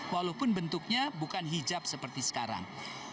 walaupun bentuknya bukan hijab seperti sekarang